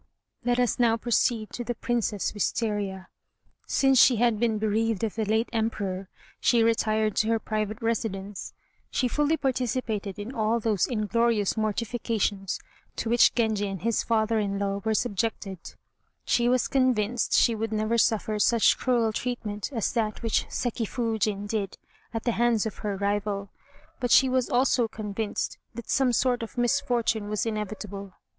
Let us now proceed to the Princess Wistaria. Since she had been bereaved of the late Emperor she retired to her private residence. She fully participated in all those inglorious mortifications to which Genji and his father in law were subjected. She was convinced she would never suffer such cruel treatment as that which Seki Foojin did at the hands of her rival, but she was also convinced that some sort of misfortune was inevitable.